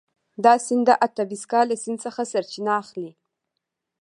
دا سیند د اتبسکا له سیند څخه سرچینه اخلي.